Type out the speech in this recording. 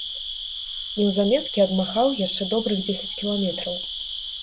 Неўзаметкі адмахаў яшчэ добрых дзесяць кіламетраў.